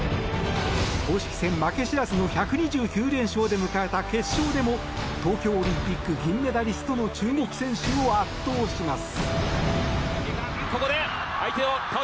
公式戦負け知らずの１２９連勝で迎えた決勝でも東京オリンピック銀メダリストの中国選手を圧倒します。